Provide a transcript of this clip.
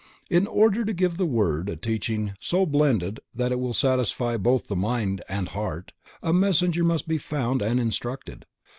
In order to give the world a teaching so blended that it will satisfy both the mind and heart, a messenger must be found and instructed.